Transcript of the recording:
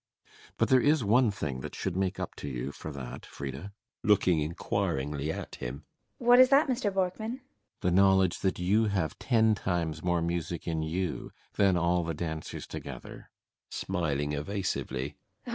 [Stopping.] But there is one thing that should make up to you for that, Frida. FRIDA. [Looking inquiringly at him.] What is that, Mr. Borkman? BORKMAN. The knowledge that you have ten times more music in you than all the dancers together. FRIDA. [Smiling evasively.